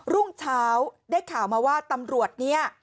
รุ่งเช้าได้ข่าวมาว่าตำรวจเนี่ย